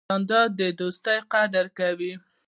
جانداد د دوستۍ قدر کوي.